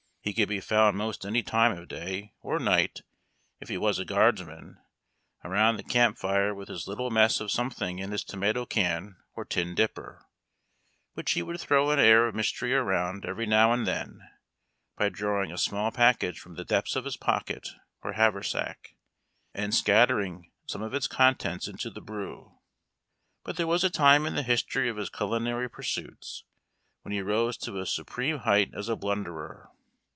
He could be found most any time of day — or night, if he was a guardsman — around the camp fire with his little mess of something in his tomato can or tin dipper, which he would throw an air of THE CAMP FIRE BEFORE THE JONAH APPEARS. mystery around every now and then by drawing a small package from the depths of his pocket or haversack and scattering some of its contents into the brew. But there was a time in the history of his culinary pursuits when he rose to a supreme height as a blunderer.